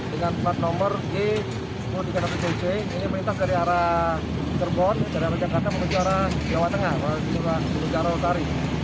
dengan plat nomor g tiga ratus tujuh c ini menintas dari